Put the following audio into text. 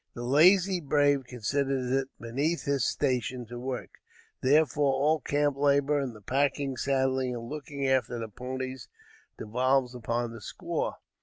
The lazy brave considers it beneath his station to work; therefore all camp labor and the packing, saddling and looking after the ponies devolves upon the squaw.